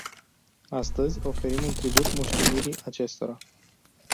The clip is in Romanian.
Astăzi, oferim un tribut moștenirii acestora.